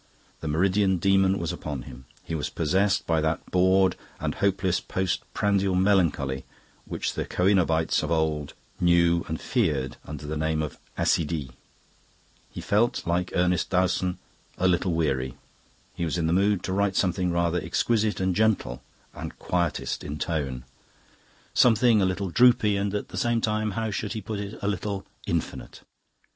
The meridian demon was upon him; he was possessed by that bored and hopeless post prandial melancholy which the coenobites of old knew and feared under the name of "accidie." He felt, like Ernest Dowson, "a little weary." He was in the mood to write something rather exquisite and gentle and quietist in tone; something a little droopy and at the same time how should he put it? a little infinite.